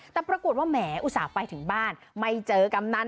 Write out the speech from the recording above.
แต่ปรากฏว่าแหมอุตส่าห์ไปถึงบ้านไม่เจอกำนัน